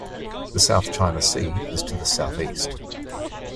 The South China Sea is to the southeast.